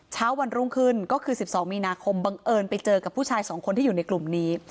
เช้าวันรุ่งขึ้นก็คือ๑๒มีนาคมบังเอิญไปเจอกับผู้ชาย๒คนที่อยู่ในกลุ่มนี้